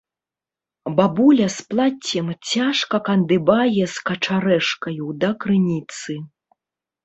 Бабуля з плаццем цяжка кандыбае з качарэжкаю да крыніцы.